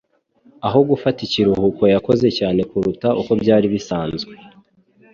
Aho gufata ikiruhuko yakoze cyane kuruta uko byari bisanzwe